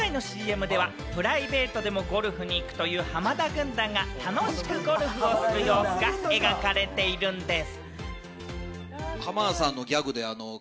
今回のＣＭではプライベートでもゴルフにという浜田軍団が楽しくゴルフをする様子が描かれているんです。